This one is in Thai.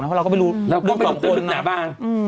เพราะเราก็ไม่รู้เรื่องสองคน